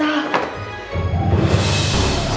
baju lo parah banget sah